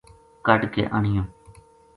کَڈھ کے آنیو